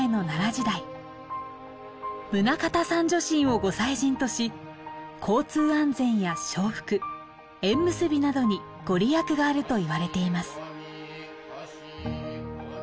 宗像三女神をご祭神とし交通安全や招福縁結びなどにご利益があるといわれています。